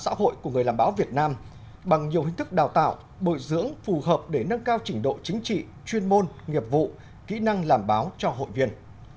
xã hội của người làm báo việt nam bằng nhiều hình thức đào tạo bồi dưỡng phù hợp để nâng cao trình độ chính trị chuyên môn nghiệp vụ kỹ năng làm báo cho hội viên